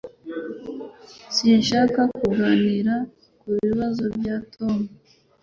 Sinshaka kuganira kubibazo bya Tom.